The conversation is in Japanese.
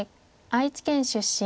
愛知県出身。